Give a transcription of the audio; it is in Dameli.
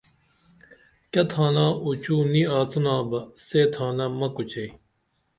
کیہ تھانہ اوچو نی آڅنا بہ سے تھانہ مہ کوچئی